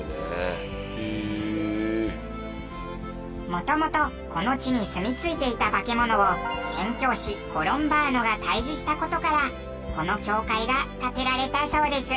もともとこの地にすみ着いていた化け物を宣教師コロンバーノが退治した事からこの教会が建てられたそうです。